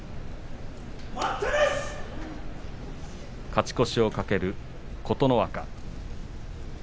勝ち越しを懸ける琴ノ若。